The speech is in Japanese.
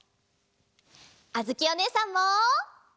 あづきおねえさんも。